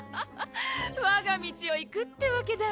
我が道を行くってわけだ。